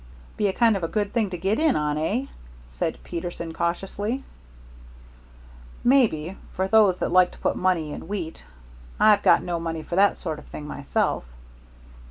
"Be a kind of a good thing to get in on, eh?" said Peterson, cautiously. "Maybe, for those that like to put money in wheat. I've got no money for that sort of thing myself."